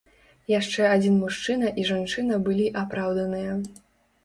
Яшчэ адзін мужчына і жанчына былі апраўданыя.